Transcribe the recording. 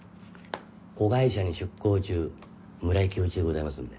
子会社に出向中村井喬一でございますんで。